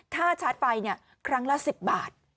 ค่าชาร์จไฟครั้งละ๑๐บาท